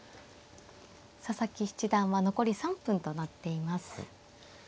佐々木七段は残り３分となっています。